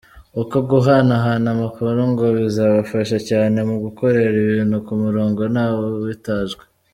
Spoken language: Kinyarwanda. Uko guhanahana amakuru ngo bizafasha cyane mu gukorera ibintu ku murongo ntawe uhutajwe.